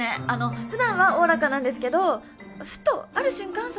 あの普段はおおらかなんですけどふとある瞬間